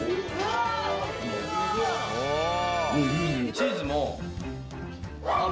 チーズも。